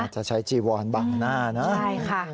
จะใช้จีวอนบังหน้านะ